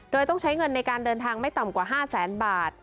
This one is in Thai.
โดยต้องใช้เงินในการเดินทางไม่ต่ำกว่า๕แสนบาท